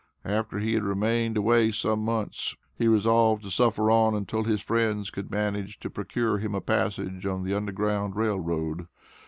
After he had remained away some months, he resolved to suffer on until his friends could manage to procure him a passage on the Underground Rail Road.